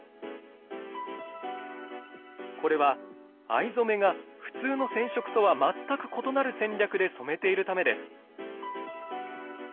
これは藍染めがふつうの染色とは全く異なる戦略で染めているためです。